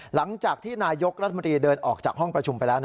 หลังจากที่นายกรัฐมนตรีเดินออกจากห้องประชุมไปแล้ว